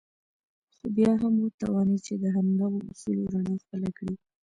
خو بيا هم وتوانېد چې د همدغو اصولو رڼا خپله کړي.